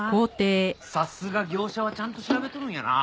さすが業者はちゃんと調べとるんやなあ。